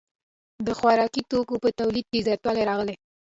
د خوراکي توکو په تولید کې زیاتوالی راغی.